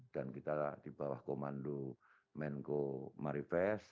dan kita di bawah komando menko marifest